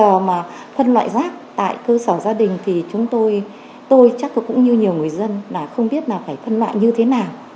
do mà phân loại rác tại cơ sở gia đình thì chúng tôi tôi chắc cũng như nhiều người dân là không biết là phải phân loại như thế nào